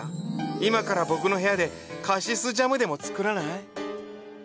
今から僕の部屋でカシスジャムでも作らない？